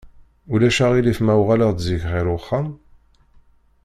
Ulac aɣilif ma uɣaleɣ-d zik ɣer uxxam?